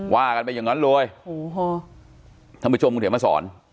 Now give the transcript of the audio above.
ว่ากันไปอย่างนั้นเลยโอ้โหท่านผู้ชมคุณเขียนมาสอน